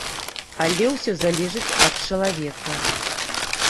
Але ўсё залежыць ад чалавека.